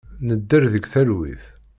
Nedder deg talwit.